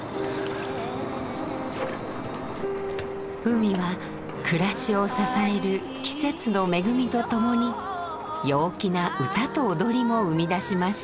海は暮らしを支える季節の恵みとともに陽気な歌と踊りも生み出しました。